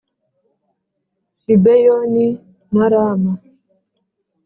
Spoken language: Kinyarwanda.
Gibeyoni na Rama